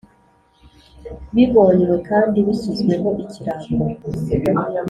Bibonywe kandi bishyizweho ikirango